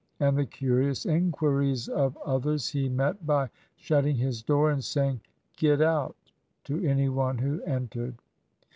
And the curious inquiries of others he met by shutting his door and saying "Get out" to any one who entered.